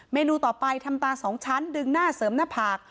นูต่อไปทำตาสองชั้นดึงหน้าเสริมหน้าผาก